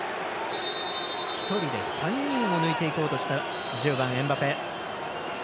１人で３人を抜いていこうとした１０番、エムバペ。